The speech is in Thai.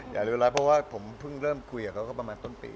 เรียบร้อยเพราะว่าผมเพิ่งเริ่มคุยกับเขาก็ประมาณต้นปี